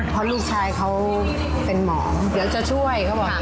เพราะลูกชายเขาเป็นหมอเดี๋ยวจะช่วยเขาบอก